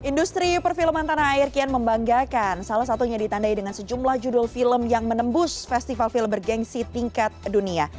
industri perfilman tanah air kian membanggakan salah satunya ditandai dengan sejumlah judul film yang menembus festival film bergensi tingkat dunia